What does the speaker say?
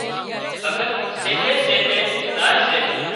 ڀڳت سيٽي سيٽي زائي سي